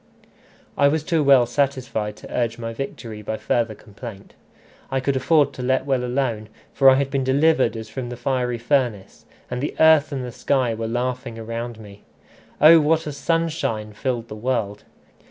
I was too well satisfied to urge my victory by further complaint. I could afford to let well alone, for I had been delivered as from the fiery furnace, and the earth and the sky were laughing around me. Oh! what a sunshine filled the world!